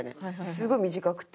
すごい短くて。